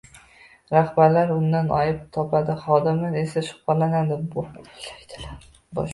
Rahbarlar undan ayb topadi, xodimlar esa shubhalana boshlaydilar.